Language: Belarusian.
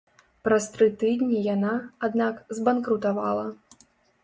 Праз тры тыдні яна, аднак, збанкрутавала.